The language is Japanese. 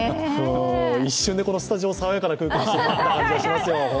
一瞬でこのスタジオ、爽やかな空気にしてくれた感じがしますよ。